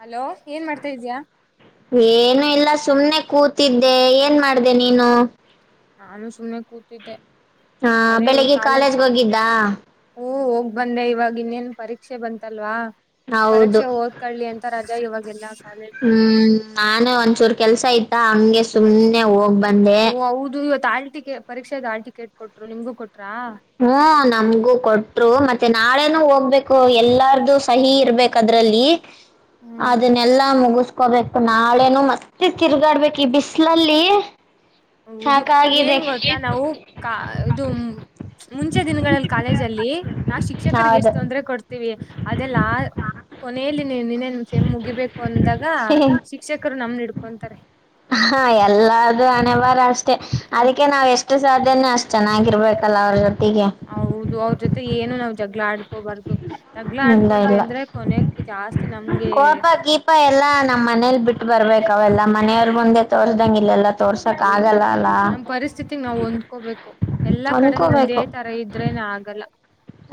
Hello ಏನ್ ಮಾಡ್ತಾ ಇದೀಯಾ. ಏನು ಇಲ್ಲ ಸುಮ್ನೆ ಕೂತಿದ್ದೆ ಏನ್ ಮಾಡ್ದೆ ನೀನು. ನಾನು ಸುಮ್ನೆ ಕು ಹಾ ಬೆಳಿಗ್ಗೆ ಕಾಲೇಜ್ಗೆ ಹೋಗಿದ್ದ. ಹೂ ಹೋಗ್ ಬಂದೆ ಇವಾಗ ಇನ್ನೇನ್ ಪರೀಕ್ಷೆ ಬಂತಲ್ವಾ. ಹೌದು ಪರೀಕ್ಷೆ ಓದ್ಕೊಳ್ಳಲಿ ಅಂತ ರಜಾ ಇವಾಗೆಲ್ಲಾ ಕಾಲೇಜ್ ಹ್ಮ್ ನಾನು ಒಂಚೂರು ಕೆಲ್ಸ ಇತಾ ಅವನ್ಗೆ ಸುಮ್ಮ್ನೆ ಹೋಗ್ಬ ಓ ಹೌದು ಇವತ್ತು ಆಲ್ ಟಿಕೆ ಪರೀಕ್ಷೆ ಆ ಟಿಕೆಟ್ ಕೊಟ್ರು ನಿಮ್ಗೂ ಕೊಟ್ರಾ. ಹ್ಮ್ ನಮ್ಗೂ ಕೊಟ್ರು ಮತ್ತೆ ನಾಳೆನುೂ ಹೋಗ್ಬೇಕು ಎಲ್ಲಾರ್ದು ಸಹಿ ಇರ್ಬೇಕ ಕದ್ರಲ್ಲಿ ಹ್ಮ್ ಅದನ್ನೆಲ್ಲಾ ಮುಗ ಕೋಬೇಕು ನಾಳೇನು ಮತ್ತೆ ತಿರ್ಗಾಡ್ಬೇಕಕ್ ಈ ಬಿಸ್ಲಲ್ಲಿ. ಹೌದು ಏನ್ ಸಾಕಾಗಿದೆ ಗೊತ್ತಾ ನಾವು. ಕ ಇದು ಮುಂಚೆ ದಿನಗಳಲ್ಲಿ ಕಾಲೇಜ ಅಲ್ಲಿ ನಾ ಶಿಕ್ಷಕರಿಗೆ ಎಷ್ಟು ಹೌದು ತೊಂದ್ರೆ ಕೊಡ್ತ ತಿವಿ ಅದೆಲ್ಲ ಆ ಕೊನೆಯಲ್ಲಿ ನಿನ ಸೆಮ್ಮ್ ಮುಗಿಬೇಕು ಅಂದಾಗ. ಶಿಕ್ಷಕರು ನಮನ ಹಿಡ್ಕೊಂತಾರೆ. ಹಾ ಎಲ್ಲಾದೂ ಅಣೆ ಬಾರ ಅಷ್ಟೇ ಅದಕ್ಕೆ ನಾವ್ ಎಷ್ಟ ಅಷ್ಟು ಸಾಧ್ಯನೇ ಅಷ್ಟು ಚೆನ್ನಾಗಿರ್ಬೇಕಲ್ಲ ಅವ್ರ ಜೊತೆಗೆ. ಹೌದು ಅವ್ರ ಜೊತೆ ಏನು ನಾವ್ ಜಗಳ ಆಡ್ಕೋಬಾರ್ದು. ಜಗಳ ಇಲ್ಲ ಆಡ್ಕೊಂಡ್ವಿ ಇಲ್ಲ ಅಂದ್ರೆ ಕೊನೆಕ್ ಜಾಸ್ತಿ ನಮ್ಗೆ. ಕೋಪಾ ಎಲ್ಲಾ ನಮ್ಮ್ ಮನೇಲಿ ಬಿಟ್ಟ ಬರ್ಬೇಕ ಅವೆಲ್ಲಾ ಮನೆಯವ್ರ ಮುಂದೆ ತೋರ್ಸದಂಗ ಇಲ್ಲ ಎಲ್ಲ ತೋರ್ ಹೌದು ನಮ್ ಪರಿಸ್ಥಿತಿಗ್ ನಾವು ಹೊಂದ್ಕೋಬೇಕು. ಎಲ್ಲಾ ಕಡೆನೂ ಒಂದೇ ಅನ್ಕೋಬೇಕು ತರ ಇದ್ರೇನ ಆಗಲ್ಲ.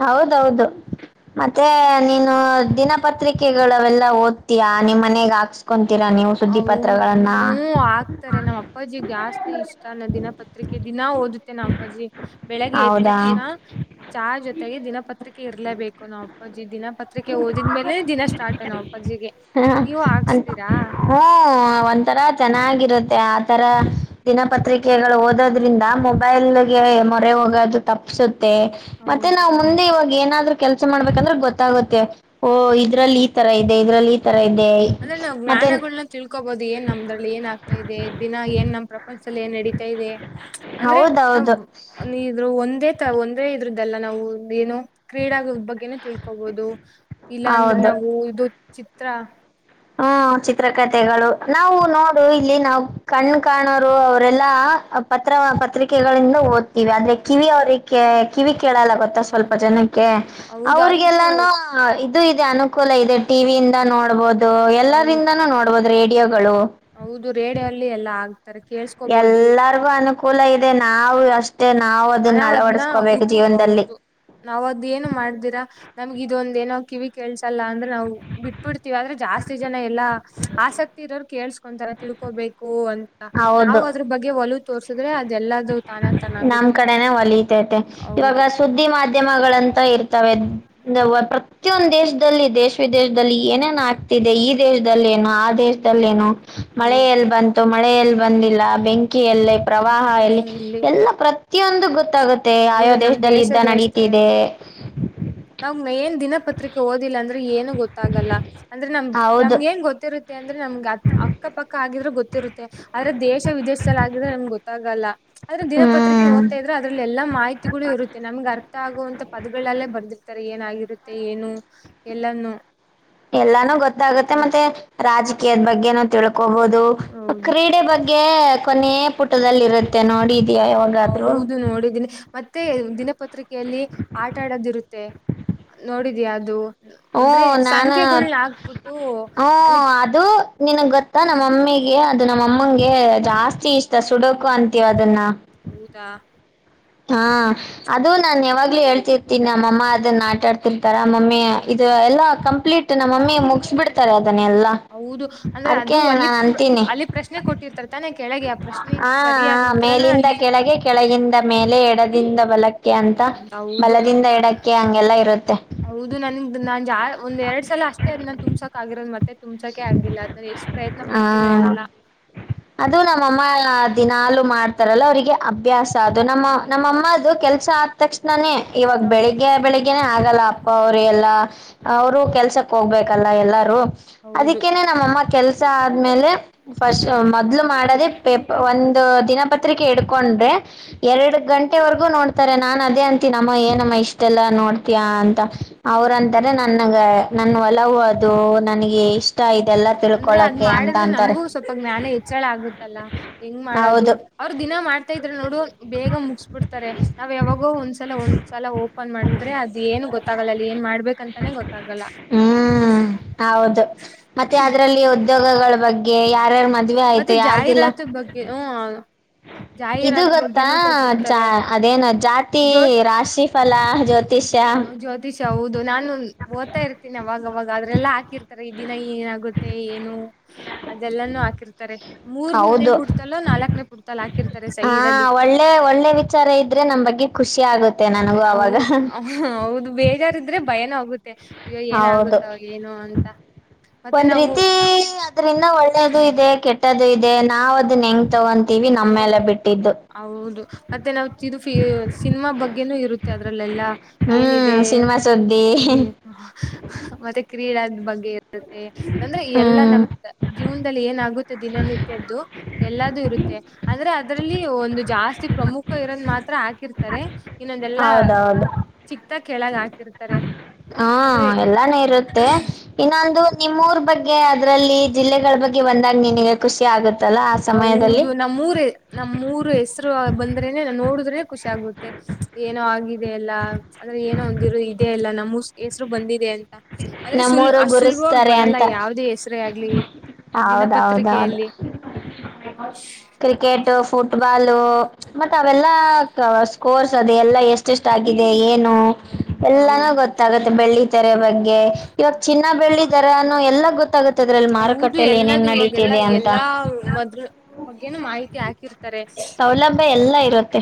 ಹೌದೌದು. ಮತ್ತೆ ನೀನು ದಿನಪತ್ರಿಕೆಗಳವೆೆಲ್ಲಾ ಓದ್ತೀಯಾ ನಿಮ್ ಮನೆಗ್ ಹಾಕ್ಸ್ಕೊತೀರಾ ನೀವು. ಹೌ ಸುದ್ದಿ ಪತ್ರಗಳನ್ನ ಹ್ಮ್ ಆ ಇತಾರೆ ನಮ್ಮ್ ಅಪ್ಪಾಜಿ ಜಾಸ್ತಿ ಇಷ್ಟ ದಿನಪತ್ರಿಕೆ ದಿನಾ ಓದುತ್ತೆ ನಾವ್ ಅಪ್ಪಾಜಿ. ಬೆಳಿಗ್ಗೆ ಎದ್ದ ಹೌದಾ ತಕ್ಷಣ ಚಾ ಜೊತೆಗೆ ದಿನಪತ್ರಿಕೆ ಇರ್ಲೇಬೇಕು ನಾವು ಅಪ್ಪಾಜಿ ದಿನ ಪತ್ರಿಕೆ ಓದಿದ್ಮೇಲೆ ದಿನ ಸ್ಟಾರ್ಟ್ ನಮ್ಮ್ ಅಪ್ಪಾಜಿಗೆ ಹ ನೀವು ಅಂತ ಹಾಕ್ಸ್ತೀರಾ. ಹ್ಮ ಒಂಥರ ಚೆನ್ನಾಗಿರುತ್ತೆ ಆ ತರ ದಿನಪತ್ರಿಕೆಗಳು ಓದೋದ್ರಿಂದ ಮೊಬೈಲ್ಗೆ ಮೊರೆ ಹೋಗೋದು ತಪ್ಪಸುತ್ತೆ. ಮತ್ತೆ ಹೌದು ನಾವ್ ಮುಂದೆ ಇವಾಗ ಏನಾದ್ರು ಕೆಲ್ಸ ಮಾಡ್ಬೇಕಂದ್ರೆ ಗೊತ್ತಾಗುತ್ತೆ. ಓ ಇದ್ರಲ್ಲಿ ಈ ತರ ಇದೆ ಇದ್ರಲ್ಲಿ ಈ ತರ ಹ್ಮ್ ಇದೆ. ಅಂದ್ರೆ ನಾವು ಮತ್ತೆ ಜ್ಞಾನಗಳನ್ನ ತಿಳ್ಕೋಬಹುದು ಏನ್ ನಮ್ದ್ರಲ್ಲಿ ಏನ್ ಆಗ್ತಾ ಇದೆ ದಿನ ಏನ್ ನ್ ಪ್ರ ಪಂಚದಲ್ಲಿ ಏನ್ ನಡೀತಾ ಇದೆ ಅಂದ್ರೆ ನಾವ್ ಹೌದೌದು ನೀ ಇದ್ರು ಒಂದೇ ತ ಒಂದೇ ಇದ್ರದ್ದಲ್ಲ ನಾವು ಏನು. ಕ್ರೀಡಾಗ ಬಗ್ಗೆನ ತಿಳ್ಕೋಬಹುದು ಇಲ್ಲಾ ಅಂದ್ರೆ ಹೌದು ನಾವು ಇದು ಚಿತ್ರ ಹ್ಮ ಚಿತ್ರಕಥೆಗಳು ನಾವು ನೋಡು ಇಲ್ಲಿ ನಾವ್ ಕಣ ಕಾಣೋರು ಅವರೆಲ್ಲಾ. ಪತ್ರ ಪತ್ರಿಕೆಗಳಿಂದ ಓದ್ತೀವಿ ಅಂದ್ರೆ ಕಿವಿ ಅವ್ರ ಕಿವಿ ಕೇಳಲಾಗುತ್ತ ತ್ತ ಸ್ವಲ್ಪ ಜನಕ್ಕೆ ಹೌದು ಅದ್ರದ್ದು ಅವ್ರಿಗೆಲ್ಲಾನು. ಹ ಇದು ಇದೆ ಅನುಕೂಲ ಇದೆ ಟಿವಿಯಿಂದ ನೋಡ್ಬಹದು ಎಲ್ಲರಿಂದಾನೂ ನೋಡ್ ರೇಡಿಯೋಗಳು ಹೌದು ರೇಡ ಅಲ್ಲಿ ಎಲ್ಲಾ ಆಗ್ ಎಲ್ಲರಿಗೂ ಅನುಕೂಲ ಇದೆ ನಾವು ಅಷ್ಟ ಅಷ್ಟೆ ನಾವು ಅದನ್ನ ನಾವ್ ಅದ್ನ ಅಳವಡಿಸಕೋಬೇಕು ಉಪ್ ಜೀವನದಲ್ಲಿ ಹೌದು ನಾವ್ ಅದ್ ಏನು ಮಾಡ್ದಿರಾ ನಮ್ಗ ಇದೊಂದ ಏನೋ ಕಿವಿ ಕೇಳ್ಸಲ್ಲ ಅಂದ್ರೆ ನಾವು ಬಿಟ್ಬಿಡ್ತಿವಿ ಆದ್ರೆ ಜಾಸ್ತಿ ಜನ ಎಲ್ಲಾ ಆಸಕ್ತಿ ಇರೋರು ಕೇಳ್ಸ್ಕೊಂತಾರ ತಿಳ್ಕೋಬೇಕು ನಾವು ಹೌದು ಅದ್ರ ಬಗ್ಗೆ ಒಲ ತೋರ್ಸಿದ್ರೆ ಅದೆಲ್ಲದುೂ ತಾನಾ ತಾನಾಗುತ್ತೆ ಕಡೆ ಒಲಿತೈತೆ ಇವಾಗ ಹೌದು ಸುದ್ದಿ ಮಾಧ್ಯಮಗಳಂತ ಇರ್ತವೆ ಪ್ರತಿಯೊಂದ ದೇಶದಲ್ಲಿ ದೇಶ ವಿದೇಶದಲ್ಲಿ ಏನೇನ್ ಆಗ್ತಿದೆ ಈ ದೇಶದಲ್ಲಿ ಆ ದೇಶದಲ್ಲಿ ನು ಮಳೆ ಹೌದು ಎಲ್ಲಿ ಬಂತು ಮಳೆ ಎಲ್ಲಿ ಬಂದಿಲ್ಲ ಬೆಂಕಿ ಎಲ್ಲೇ ಪ್ರವಾಹ ಎಲ್ಲಿ ಇಲ್ಲಿ ಎಲ್ಲ ಪ್ರತಿಯೊಂದು ಗೊತ್ತಾಗುತ್ತೆ ಆಯೋ ಹೌದು ನಮ್ ದೇಶದಲ್ಲಿ ದೇಶ ಇದ್ದ ನಡೀತಿದೆ ದೇಶದಲ್ಲೇನೆ ನಾವ್ ಏನ್ ದಿನಪತ್ರಿಕೆ ಓದಿಲ್ಲ ಅಂದ್ರೆ ಏನು ಗೊತ್ತಾಗಲ್ಲ ಅಂದ್ರೆ ನಮ್ ಹೌದು ನಮ್ಗ ಏನ್ ಗೊತ್ತಿರುತ್ತ ಅಂದ್ರೆ ನಮ್ಗೆ ಅ ಅಕ್ಕ ಪಕ್ಕ ಆಗಿದ್ರೆ ಗೊತ್ತಿರುತ್ತೆ ಆದ್ರೆ ದೇಶ ವಿದೇಶದಲ್ಲಿ ಆಗಿದ್ರೆ ನಮ್ಗೆ ಗೊತ್ತಾಗಲ್ಲ ಆದದ್ರೆ ದಿನಪತ್ರಿಕೆ ಹ್ಮ್ ದ್ತಾ ಇದ್ರೆ ಅದ್ರಲ್ಲ ಮಾಹಿತಿಗಳುೂ ಇರುತ್ತೆ ನಮ್ಗೆ ಅರ್ಥ ಆಗುವಂತ ಪದಗಳಲ್ಲೇ ಬರ್ದವಿ ತರ ಏನಾಗಿರುತ್ತೆ ಏನು ಎಲ್ಲಾನ ಎಲ್ಲಾನು ಗೊತ್ತಾಗುತ್ತೆ ಮತ್ತೆ ರಾಜಕೀಯದ ಬಗ್ಗೆನು ತಿಳ್ಕೋಬಹುದು ಹೌದು ಕ್ರೀಡೆ ಬಗ್ಗೆ ಕೊನೆಯ ಪುಟದಲ್ಲಿರುತ್ತೆ ನೋಡಿ ಹೌದು ನೋಡಿದ್ದೀನಿ ಮತ್ತೆ ದಿನಪತ್ರಿಕೆಯಲ್ಲಿ ಆಟ ಆಡದಿ ಇರುತ್ತೆ ನೋಡಿದ್ಯಾ ಅದು ಹ್ಮ ಅಂದ್ರೆ ನಾನ ಸಂಖ್ಯೆಗಳ ಹಾಕ್ಬಿಟ್ಟು ಹ್ಮ ಅಲ್ಲಿಕ್ ಅದು ನಿನಗ್ ಗೊತ್ತಾ ನಮ್ಮಮ್ಮಿಗೆ ಅದು ನಮ್ಮ ಅಮ್ಮಂಗೆ ಜಾಸ್ತಿ ಇಷ್ಟ ಸುಡೋಕು ಅಂತೀವ ಅದನ್ನ ಹೌದಾ ಹಾ ಅದು ನಾನ್ ಯಾವಾಗ್ಲೂ ಹೇಳ್ತಿರ್ತೀನಿ ನಮ್ಮಅಮ್ಮ ಅದನ್ನ ಆಟಾಡ್ ಇರ್ತಾರ ಮಮ್ಮಿ ಇದು ಎಲ್ಲಾ ಕಂಪ್ಲೀಟ್ ನಮ್ಮ ಮಮ್ಮಿ ಮುಗಸ್ ಬಿಡ್ತಾರೆ ಅದನ್ನ ಎಬೇಡ ಲ್ಲಾ ಹೌದು ಅಂದ್ರೆ ಅದು ಅಲ್ಲಿ ಅಲ್ಲಿ ಪ್ರಶ್ನೆ ಕೊಟ್ಟಿರ್ತಾರೆ ತಾನೇ ಕೆಳಗೆ ಆ ಪ್ರಶ್ನೆ ಹ ಮೇಲಿಂದ ಕೆಳಗೆ ಕೆಳಗಿಂದ ಮೇಲೆ ಎಡದಿಂದ ಬಲಕ್ಕೆ ಅದಕ್ಕೆ ಅಂತ ಹೌದು ಬಲದಿಂದ ಅ- ಎಡಕ್ಕೆ ಹಂಗೆಲ್ಲ ಇರುತ್ತೆ ಹೌದು ನನ್ಗೆ ನಾನ್ ಜಾ ಒಂದ್ ಎರಡ್ ಸಲ ಅಷ್ಟೇ ಅದ್ ನನ್ ತಂಬ್ಸಕಕ್ ಆಗರೋದ್ ಮತ್ತೆ ತುಂಬಸಾಕೆ ಆಗಿಲ್ಲ ಅದ ಎಷ್ಟ್ ಪ್ರಯತ್ನ ಪಡ್ತೀನೋ ಹ ಎಲ್ಲಾ ಅದು ನಮ್ಮ ಅಮ್ಮ ದಿನಾಲುೂ ಮಾಡ್ತಾರಲ್ಲ ಅವ್ರರಿಗೆ ಅಭ್ಯಾಸ ಅದು ನಮ್ಮ ನಮ್ಮಮ್ಮ ಅದು ಕೆಲ್ಸ ಆದ ತಕ್ಷಣಾನೇ ಇವಾಗ ಹ್ಮ್ ಬೆಳಿಗ್ಗೆ ಬೆಳಿಗ್ಗೆನೆ ಆಗಲ್ಲ ಅಪ್ಪ ಅವರು ಎಲ್ಲಾ ಅವರು ಕೆಲ್ಸಕ್ ಹೋಗ್ಬೇಕಲ್ಲ ಎಲ್ಲಾರು ಹೌದು ಅದಕ್ಕೇನೆ ನಮ್ಮಅಮ್ಮ ಕೆಲ್ಸ ಆದ್ಮೇಲೆ ಫಸ್ಟ್ ಹ್ಮ್ ಮೊದ್ಲು ಅ ಹ್ಮ್ ಮಾಡದೆ ಪೇ ಒಂದು ದಿನಪತ್ರಿಕೆ ಇಡ್ಕೊಂಡ್ರೆ ಎರಡ್ ಗಂಟೆವರೆಗೂ ನೋಡ್ತಾರೆ ನಾಾನನ್ ಅದೇ ಅಂತೀಮ್ಮ ಏನಮ್ಮ ಇಷ್ಟೆಲ್ಲಾ ನೋಡ್ತಯ ಅಂತ ಅವರಂತಾರೆ ನನ್ಗ ನನ್ ಹೊಲವು ಅದು ನನಗೆ ಹೌದು. ಇಷ್ಟ ಇದೆಲ್ಲ ಅಂದ್ರೆ ಅದ್ ತಿಳ್ಕೊಳಕೆ ಅಂತ ಮಾಡಿದ್ರೆ ಅಂತಾರೆ ನಮಗೂ ಸ್ವಲ್ಪ ಜ್ಞಾನ ಹೆಚ್ಚಳ ಆಗುತ್ತಲ್ಲ ಹೆಂಗ್ ಮಾಡೋದು ಹೌದು ಅವ್ರರು ದಿನ ಮಾಡ್ತಾ ಇದ್ರ ನೋಡು ಬೇಗ ಮುಗಸ್ ಬಿಿಡ್ತಾರೆ ನಾವ್ ಯಾವಾಗೋ ಒಂದ್ಸಲ ಒಂದ್ಸಲ ಹ ಓಪನ್ ಮಾಡಿದ್ರೆ ಅದ ಏನು ಗೊತ್ತಾಗಲ್ಲ ಅಲ್ಲಿ ಏನ್ ಮಾಡ್ಬೇಕಂತಾನೇ ಗೊತ್ತಾಗಲ್ಲ ಹ್ಮ್ ಹೌದು ಮತ್ತೆ ಅದ್ರಲ್ಲಿ ಉದ್ಯೋಗಗಳ ಬಗ್ಗೆ ಯಾರ್ಯಾರ ಮದ್ವೆ ಆಯ್ತು ಯಾರ್ದಿಲ್ಲ ಹ್ಮ ಇದು ಗೊತ್ತಾ ಜಾ ಅದೇನು ಜಾತಿ ಜ್ಯೋತ್ ರಾಶಿ ಫಲ ಜ್ಯೋತಿಷ್ಯ ಜ್ಯೋತಿಷ ಹೌದು ನಾನು ಓದ್ತಾ ಇರ್ತೀನಿ ಅವವಾಗವಾಗ ಅದ್ರೆಲ್ಲ ಹಾಕಿರ್ತಾರೆ ಈ ದಿನ ಏನಾಗುತ್ತೆ ಏನು ಅದೆಲ್ಲಾನೂ ಹಾಕಿರ್ತಾರೆ ಮೂರ್ನೆ ಹೌದು ಪುಡ್ತಲ್ಲೋ ನಾಲ್ಕನೇ ಪುಡ್ತಲ್ಲ ಹಾಕಿರ್ತಾರೆ ಸೈ ಹಾ ಇಡಲ್ಲಿ ಒಳ್ಳೆ ಒಳ್ಳೆ ವಿಚಾರ ಇದ್ರೆ ನಮ್ ಬಗ್ಗೆ ಖುಷಿ ಆಗುತ್ತೆ ನನಗೂ ಅವಾಗ ಹ ಹೌದು ಬೇಜಾರಿದ್ರೆ ಭಯನ ಹೋಗುತ್ತೆ ಅಯ್ಯೋ ಹೌದು ಏನಾಗುತ್ತಾವ ಏನು ಅಂತ ಮತ್ತೆ ಒಂದ್ ನಾವು ರೀತಿ ಅದ್ರಂದ ಒಳ್ಳೇದು ಇದೆ ಕೆಟ್ಟ.. ಟ್ಟದು ಇದೆ ನಾವ್ ಅದ ನೆಂಗ್ ತಗೋಂತೀವಿ ನಮ್ಮೇಲೆ ಬಿಟ್ಟಿದ್ದು ಹೌದು ಮತ್ತೆ ನಾವ್ ಇದು ಫ ಸಿನಿಮಾ ಬಗ್ಗೆನೂ ಇರುತ್ತೆ ಅದ್ರಲ್ಲೆಲ್ಲಾ ಹ್ಮ್ ಸಿನಮ ಸೌದಿ ಹ ಮತ್ತೆ ಕ್ರೀಡಾದ ಬಗ್ಗೆ ಅಂದ್ರೆ ಎಲ್ಲಾ ಹ್ಮ್ ನಮ್ ಜೀವನದಲ್ಲಿ ಏನಾಗುತ್ತೆ ದಿನನಿತ್ಯದ್ದು ಎಲ್ಲಾದೂ ಇರುತ್ತೆ ಅ್ರ ಅದ್ರಲ್ಲಿ ಒಂದು ಜಾಸ್ತಿ ಪ್ರಮುಖ ಇರೋನ್ ಮಾತ್ರ ಹಾಕಿರ್ತಾರೆ ಇನ್ನೊಂದಲ್ಲಾ ಹೌದೌದು ಚಿಕ್ತಾಗ ಕೆೇಳಾಗ ಹಾಕಿರ್ತಾರೆ ಹಾ ಅಂದ್ರೆ ಎಲ್ಲಾನ ಇರುತ್ತೆ ಇನ್ನೊಂದು ನಿಮ್ಮೂರ್ ಬಗ್ಗೆ ಅದರಲ್ಲಿ ಜಿಲ್ಲೆಗಳ ಬಗ್ಗೆ ಬಂದಾಗ ನಿಿನಗೆ ಖುಷಿ ಆಗುತ್ತೆ ತಲ ಆ ಸಮಯದಲ್ಲಿ ನಮ್ಮೂರು ನಮ್ಮೂರುಹೆಸರು ಬಂದ್ರೆನೆ ನಾ ನೋಡುದ್ರೇನೆ ಖುಷಿ ಆಗುತ್ತೆ ಏನೋ ಆಗಿದ ಅಲ್ಲ ಅಂದ್ರೆ ಏನೋ ಒಂದಿರು ಇದದೆ ಅಲ್ಲ ನಮ್ಮ ಹೆಸ್ರು ಬಂದಿದೆ ಅಂತ ಆದ್ರೆ ಸುಲ್ ನಮ್ಮೂರು ಅ ಸುಲಭವಾಗಿ ಗುರುಸ್ತಾರೆ ಬರಲ್ಲ ಯಾವ್ದೇ ಹೆಸರು ಆಗ್ಲಿ ಹೌದು ದಿನಪತ್ರಿಕೆಯಲ್ಲಿ ಹೌದುಕ್ರಿಕೆಟ್ ಫುಟ್ಬಾಲು ಮತ್ತ ಅವೆಲ್ಲಾ ಸ್ಕೋರ್ಸ್ ಅದೆ ಎಲ್ಲಾ ಎಷ್ಟ ಎಷ್ಟ ಆಗಿದೆ ಏನು ಹೌ ಎಲ್ಲಾನೂ ಗೊತ್ತಾಗುತ್ತೆ ಬೆಳ್ಳಿ ತರೆ ಬಗ್ಗೆ ಇವಾಗ ಚಿನ್ನ ಬೆಳ್ಳಿ ತರಾನು ಎಲ್ಲ ಗೊತ್ತಾಗುತ್ತೆ ಅದ್ರಲ್ಲಿ ಹೌದು ಮಾರುಕಟ್ಟೆಯಲ್ಲಿ ಎಲ್ಲದ ಏನೇನ್ ಇವಾಗ ಎಲ್ಲಾ ನಡೀತಿದೆ ಅಂತ ಎಲ್ಲಾ ಮದ್ಲು ಬಗ್ಗೆನು ಮಾಹಿತಿ ಆ ಹಿರ್ತಾರೆ ಸೌಲಭ್ಯ ಎಲ್ಲ ಇರುತ್ತೆ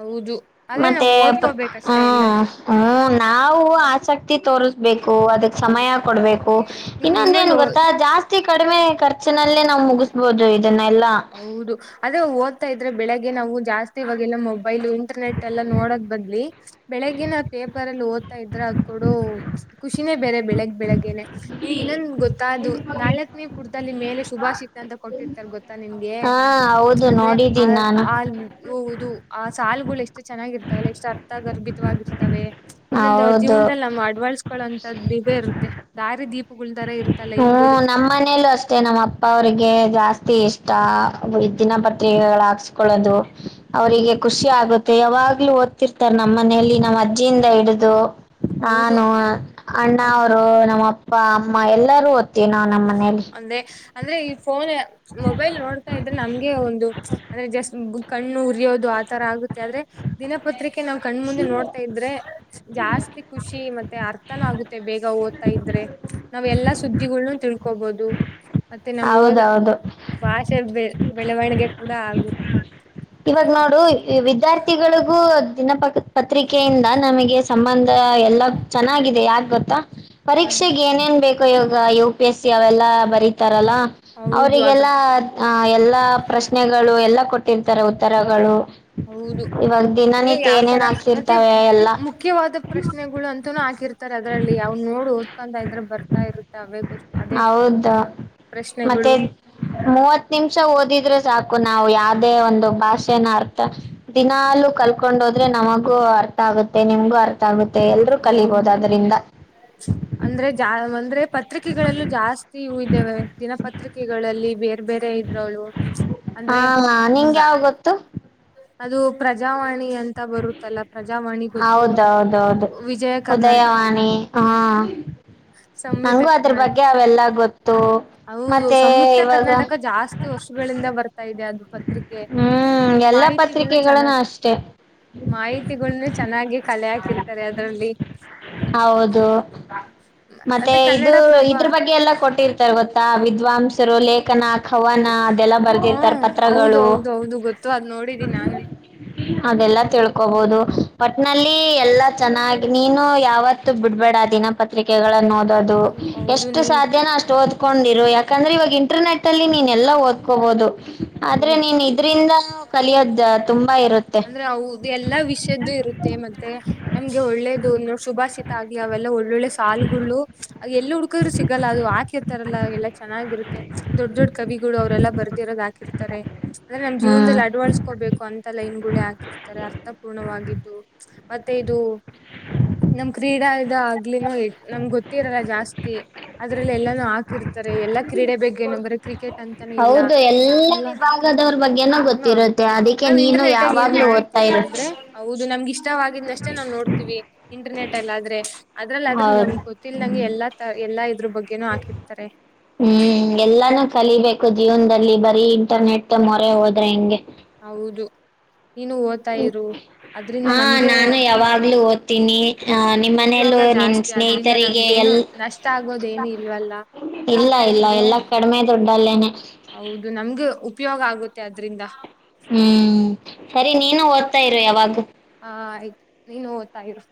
ಹೌದು ಆದ್ರೆ ಮತ್ತೆ ನಾವ್ ಓದ್ಕೋಬೇಕಷ್ಟೆ ಹ್ಮ್ ಎಲ್ಲದು ಹ್ಮ ನಾವು ಆಸಕ್ತಿ ತೋರಿಸ ಬೇಕು ಅದಕ್ ಹ್ಮ್ ಸಮಯ ಕೊಡ್ಬೇಕು ನೀನ್ ಇನ್ನೊಂದ ಏನ್ ಇನ್ನೊಂದು ಗೊತ್ತಾ ಜಾಸ್ತಿ ತಿ ಕಡಿಮೆ ಖರ್ಚಿನಲ್ಲೇ ನಾವು ಮುಗಿಸಬಹುದು ಇದನ್ನೆ ಎಲ್ಲಾ ಹೌದು ಅದೇ ಓದ್ತಾ ಇದ್ರೆ ಬೆಳಿಗ್ಗೆ ನಾವು ಜಾಸ್ತಿ ಇವಾಗೆಲ್ಲ ಮೊಬೈಲ್ ಇಂಟರ್ನೆಟ್ ಎಲ್ಲಾ ನೋಡೋದ್ ಬದ್ಲಿ ಬೆಳಿಗ್ಗಿನ ಪೇಪರ್ ಅಲ್ಲಿ ಓದ್ತಾ ಇದ್ರೆ ಅದ ಕೊಡು ಖುಷಿನೇ ಬೇರೆ ಬೆಳಿಗ್ ಬೆಳಿಗ್ಗನೆ ಈಗ ಇನ್ನೊಂದು ಗೊತ್ತಾದದು ನಾಲ್ಕನೇ ಪುರ್ತದಲ್ಲಿ ಮೇಲೆ ಶುಭಾಶಿತ ಅಂತ ಕೊಟ್ಟಿರ್ತಾರೆ ಗೊತ್ತ ನಿನ್ಗೆ ಹಾ ಹೌದು ಅಂದ್ರೆ ಆ ನೋಡಿದ್ದೀನಿ ನಾನು ಆಲ್ ಹೌದು ಆ ಸಾಲು ಗಳು ಎಷ್ಟು ಚೆನ್ನಾಗಿರ್ತಾಗಲ್ಲ ಎಷ್ಟು ಅರ್ಥ ಆಗರ್ಬಿ ವೆ ಅವನೊಂದು ಹೌದು ಜೀವನದಲ್ಲ ನ ಅಡ್ವಾಳ್ ಮಕ್ಕಳಂತ ದವೇ ಇರುತ್ತೆ ದಾರಿ ದೀಪಗಳ ತರ ಇರುತ್ತೆ ಹ್ಮ್ ನಮ್ಮ ಮನೇಲ್ಲೂ ಅಷ್ಟೇ ನಮ್ಮ ಅಪ್ಪ ಅವ್ರಿಗೆ ಜಾಸ್ತಿ ಇಷ್ಟ ದಿನಪತ್ರಿಕೆಗಳ ಹಾಕ್ಸ್ಕೊಳ್ಳೋದು ಹೌದು ಅವರಿಗೆ ಖುಷಿ ಆಗ ಯಾವಾಗ್ಲೂ ಓದ್ತಿರ್ತಾರೆ ನಮ್ಮ್ ಮನೆಯಲ್ಲಿ ನಮ್ಮ್ ಅಜ್ಜಿಯಿಂದ ಹಿಡಿದು ಹೌದು, ನಾನು ಅಣ್ಣ ಅದ್ ಅವರು ನಮ್ಮ ಅಪ್ಪ ಅಮ್ಮ ಎಲ್ಲರೂ ನಾವು ನಮ್ಮ ಮನೆಯಲ್ಲಿ ಅಂದ್ರೆ ಈ ಫೋನ್ ಮೊಬೈಲ್ ನೋಡ್ತಾ ಇದ್ರೆ ನಮ್ಗೆ ಒಂದು ಅಂದ್ರೆ ಜಸ್ಟ್ ಕಣ್ಣು ಉರಿಯೋದು ಆತರ ಆಗುತ್ತೆ ಆದ್ರೆ ದಿನಪತ್ರಿಕೆ ನಾವ್ ಕಣ್ಮುಂದೆ ನೋಡ್ತಾ ಇದ್ರೆ ಜಾಸ್ತಿ ಖುಷಿ ಮತ್ತೆ ಅರ್ಥನೂ ಆಗುತ್ತೆ ಬೇಗ ಓದ್ತಾ ಇದ್ರೆ ನಾವ್ ಎಲ್ಲಾ ಸುದ್ದಿಗಳನು ತಿಳ್ಕೊಬಹದು ಮತ್ತೆ ನಮ್ ಹೋದ ಹೌದೌದು ಭಾಷೆ ಬೆ ಬೆಳವಣಿಗೆ ಕೂಡ ಆಗುದು ಇವಾಗ ನೋಡು ವಿದ್ಯಾರ್ಥಿಗಳಿಗೂ ದಿನಪ ಪತ್ರಿಕೆಯಿಂದ ನಮಗೆ ಸಂಬಂಧ ಎಲ್ಲ ಚೆನ್ನಾಗಿದೆ ಯಾಕ ಗೊತ್ತಾ ಪರೀಕ್ಷೆೆಗೆ ಏನೇನ್ ಬೇಕೋ ಇವಾಗ ಯು ಪಿ ಎಸ್ ಸಿ ಅವೆಲ್ಲ ಬರತಾರಲ್ಲ ಹೌದು ಅವರಿಗೆಲ್ಲ ಅದ್ರ ಅ ಎಲ್ಲಾ ಪ್ರಶ್ನೆಗಳು ಎಲ್ಲ ಕೊಟ್ಟಿರ್ತಾರೆ ಉತ್ತರಗಳು ಹೌದು ಇವಾಗ ಅಂದ್ರೆ ದಿನನಿತ್ಯ ಯಾವ ತರ ಏನೇನ್ ಮತ್ತೆ ಆಗ್ತಿರ್ತವೆ ಎಲ್ಲ ಮುಖ್ಯವಾದ ಪ್ರಶ್ನೆಗಳು ಅಂತನೂ ಹಾಕಿರ್ತ ತ ಅದ್ರಲ್ಲಿ ಯಾವ್ ನೋ ಓದಕಂತ ಇದ್ರ ಬರ್ ತಾ ಇರುತ್ತೆ ಅವೆಗೋಸ್ ಅದೇ ಹೌದು ಮತ್ತೆ ಪ್ರಶ್ನೆಗಳು ಮೂವತ್ ನಿಮಿಷ ಓದಿದ್ರೆ ಸಾಕು ನಾವವು ಯಾವ್ದೇ ಒಂದು ಭಾಷೆನ ಅರ್ಥ ದಿನಲು ಕಲ್ಕೊಂಡ ಹೋದ್ರೆ ನಮಗೂ ಅರ್ಥ ಆಗುತ್ತೆ ನಿಮ್ಗೂ ಅರ್ಥ ಗೊತ್ತಾಗುತ್ತೆ ಎಲ್ರೂ ಹೌದು ಕಲಿಬಹುದು ಅದ್ರಿಂದ ಅಂದ್ರೆ ಜಾ ಅಂದ್ರೆ ಪತ್ರಿಕೆಗಳಲ್ಲೂ ಜಾಸ್ತಿ ಇದ್ದೇವೆ ದಿನಪತ್ ಪತ್ರಿಕೆಗಳಲ್ಲಿ ಬೇರ್ ಬೇರೆ ಇದ್ರೋಳು ಹಾ ಅಂದ್ರೆ ಮುಂದ ನಿಂಗೆ ಯಾವ ಗೊತ್ತು ಅದು ಪ್ರಜಾವಾಣಿ ಅಂತ ಬರುತ್ತಲ್ಲ ಪ್ರಜಾವಾಣಿ ಗೊತ್ತು ಹೌದೌದು ವಿಜಯ ಕರ್ನಾಟಕ ಉದಯವಾಣಿ ಹಾ ಸಂಯುಕ್ತ ನಂಗು ಅದ್ರ ಕರ್ನಾಟಕ ಬಗ್ಗೆ ಅವೆಲ್ಲ ಗೊತ್ತು ಹೌದು ಮತ್ತೆ ಸಂಯುಕ್ತ ಇವಾಗ ಕರ್ನಾಟಕ ಜಾಸ್ತಿ ವರ್ಷಗಳಿಂದ ಬರ್ತಾ ಇದೆ ಅದುಪ ಹ್ಮ್ ಎಲ್ಲಾ ಪತ್ರಿಕೆಗಳನು ಅಷ್ಟೆ ಮಾಹಿತಿಗಳನ್ನ ಚೆನ್ನಾಗಿ ಕಲೆ ಹಾಕಿರ್ತಾರೆ ಅದ್ರಲ್ಲಿ ಹೌದು ಮತ್ತೆ ಇದು ಕನ್ನಡ ಪ್ರಭ ಇದ್ರ ಬಗ್ಗೆ ಎಲ್ಲ ಕೊಟ್ಟಿರ್ ಗೊತ್ತಾ ವಿದ್ವಾಂಸರು ಲೇಖನ ಹೌ ಖವನ ಅದೆಲ್ಲ ಹ್ಮ ಬರ್ದಿರ್ತಾರೆ ಹೌದು ಪತ್ರಗಳು ಹೌದು ಹೌದು ಗೊತ್ತು ಅದು ನೋಡಿದ್ದಿ ನಾನು ಅದೆಲ್ಲಾ ತಿಳ್ಕೋಬಹುದು ಪಟ್ನಲ್ಲಿ ಎಲ್ಲಾ ಚೆನ್ನಾಗಿ ನೀನು ಯಾವ ಬಿಡ್ಬೇಡ ದಿನಪತ್ರಿಕೆಗಳನ್ನು ಓದೋದು ಹೌದು ಎಷ್ಟು ನೀನ್ ಸಾಧ್ಯನ ಅಷ್ಟ ಓದ ಕೊಂಡಿರು ಯಾಕಂದ್ರೆ ಇವಾಗ ಇಂಟರ್ನೆಟ್ ಅಲ್ಲಿ ನೀ ಎಲ್ಲ ಓದ್ಕೋಬಹುದು ಆದ್ರೆ ಹೌದು ನೀನ್ ಇದ್ರಿಂದ ಕಲಿಯೋದ ತುಂಬಾ ಇರುತ್ತೆ ಅಂದ್ರೆ ಹೌದು ಎಲ್ಲಾ ವಿಷಯದ್ದು ಇರುತ್ತೆ ಮತ್ತೆ ನಮ್ಗೆ ಒಳ್ಳೇದು ಶುಭಾಶಿತ ಆಗಿ ಅವೆಲ್ಲ ಒಳ್ಳ ಒಳ್ಳೊಳ್ಳೆ ಸಾಲು ಅ ಎಲ್ಲ ಹುಡ್ಕದ್ರು ಸಿಗಲ್ಲ ಅದು ಹಾಕಿರ್ತಾರಲ್ಲ ಎಲ್ಲಾ ಚೆನ್ನಾಗಿರುತ್ತೆ ದೊಡ್ಡ ದೊಡ್ಡ ಕವಿಗಳು ಅವರೆಲ್ಲ ಬರ್ದಿ ಇರೋದ ಹಕಿರ್ತಾರೆ ಅಂದ್ರೆ ನಮ್ ಹ್ಮ್ ಜೀವನದಲ್ಲಿ ಅಡವಳ್ಸ್ಕೋಬೇಕು ಅಂತ ಲೈನ್ ಗಳ ಹಾಕಿರ್ತಾರೆ ಅರ್ಥಪೂರ್ಣವಾಗಿದ್ದು ಮತ್ತೆ ಇದು ನಮ್ ಕ್ರೀಡಾ ಇದ ಆಗ್ಲಿನೋ ಇ ನಮ್ಗೆ ಗೊತ್ತಿರಲ್ಲ ಜಾಸ್ತಿ. ಅದ್ರಲ್ಲಿ ಎಲ್ಲಾನು ಹಾಕಿರ್ತಾರೆ ಎಲ್ಲಾ ಕ್ರೀಡೆ ಬಗ್ಗೆ ಏನ ಬ್ರೆ ಕ್ರಿಕೆಟ್. ಅಂತಾನೇ ಇಲ್ಲ ಹೌದು ಎಲ್ಲ ಇಲ್ಲ ವಿಭಾಗದವ್ರ ಬಗ್ಗೆನೂ ಏನೋ ಗೊತ್ತಿರುತ್ತೆ ಆಗ್ತಾರೆ ಅದಕ್ಕೆ ನಾವ್ ನೀನು ಇಂಟರ್ನೆಟ್ಗ ಯಾವ. ಏನ್ ಬದ್ಲು ಓದತ ಮಾಡ್ತೀವಿ ಇರ ಅಂದ್ರೆ ಹೌದು ನಮ್ಗ ಇಷ್ಟವಾಗಿದನಷ್ಟೇ ನಾವವು ನೋಡ್ತೀವಿ ಇಂಟರ್ನೆಟ್ ಅಲ್ಲಾದ್ರೆ ಅದ್ರಲ್ಲಾದ್ರೆ ಹೌದು ನಮ್ಗೆ ಗೊ. ಲ್ ನಂಗೆ ಎಲ್ಲಾ ತ ಎಲ್ಲಾ ಇದ್ರ ಬಗ್ಗೆನೂ ಹಾಕಿರ್ತಾರೆ. ಹ್ಮ್ ಎಲ್ಲಾನು ಕಲಿಬೇಕು ಜೀವನದಲ್ಲಿ ಬರೀ ಇಂಟರ್ನೆಟ್ ಮೊರೆ ಹೋದ್ರೆ ಹೆಂಗೆ. ಹೌದು ನೀನು. ಓದ್ತಾ ಇರು ಅದ್ರಿಂದ ಹಾ ನಮ್ಗೆ ನಾನು ಯಾವಾಗ್ಲೂ ಓದ್ತೀನಿ. ಹ ನಿಮ್ಮ್ ಉಪಯೋಗ ಮನೇಲ್ಲೂ ನಿನ್ ಜಾಸ್ತಿ ಅದ್ರಿಂದ ಸ್ನೇಹಿತರಿಗೆ ನಮ್ಗೇನು ಎಲ್ ನಷ್ಟ ಆಗೋದೇನು ಇಲ್ವಲ್ಲ ಇಲ್ಲ ಓದ್ತಾ ಇಲ್ಲ ಇದ್ರೆ ಎಲ್ಲಾ ಕಡಿಮೆ ದುಡ್ಡಲ್ಲೇನೆ ಹೌದು ನಮ್ಗೆ ಉಪಯೋಗ ಆಗುತ್ತೆ ಅದ್ರಿಂದ ಹ್ಮ್ ಸರಿ ನೀನು ಓದ್ತಾ ಇರು ಯಾವಾಗ ಹಾ ಆಯ್ತು ನೀನು ಓದ್ತಾಯರು